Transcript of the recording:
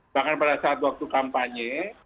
bahkan pada saat waktu kampanye